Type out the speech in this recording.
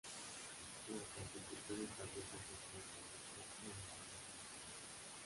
La constitución establece un Presidente electo y una Asamblea Nacional.